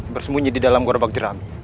bersembunyi di dalam gorobak jerami